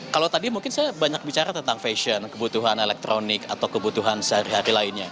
kalau tadi mungkin saya banyak bicara tentang fashion kebutuhan elektronik atau kebutuhan sehari hari lainnya